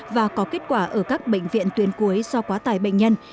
và có kết quả ở các bệnh viện tuyến cuối do quá tải bệnh nhân